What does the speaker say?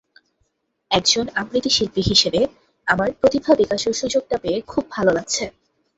একজন আবৃত্তিশিল্পী হিসেবে আমার প্রতিভা বিকাশের সুযোগটা পেয়ে খুব ভালো লাগছে।